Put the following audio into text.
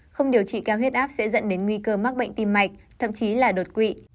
không điều trị cao huyết áp sẽ dẫn đến nguy cơ mắc bệnh tim mạch thậm chí là đột quỵ